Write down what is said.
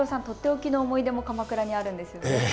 とっておきの思い出も鎌倉にあるんですよね。